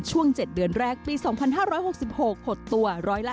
ช่วง๗เดือนแรกปี๒๕๖๖หดตัว๑๕